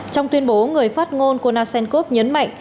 trong tuyên bố người phát ngôn konashenkov nhấn mạnh